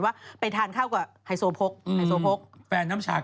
วนภาษาซื้อแบบดาว